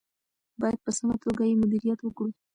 باید په سمه توګه یې مدیریت کړو.